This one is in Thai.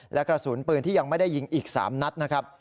และกระสุนปืนที่ยังไม่ได้ยิงอีก๓นัดนะครับ